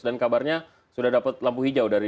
dan kabarnya sudah dapat lampu hijau dari